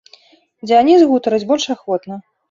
Дзяніс гутарыць больш ахвотна.